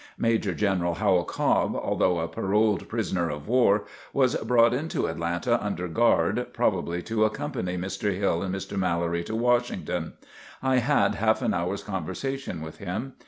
Major General Howell Cobb, although a paroled prisoner of war, was brought into Atlanta under guard, probably to accompany Mr. Hill and Mr. Mallory to Washington. I had half an hour's conversation with him.